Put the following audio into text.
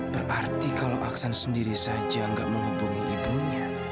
berarti kalau aksan sendiri saja tidak menghubungi ibunya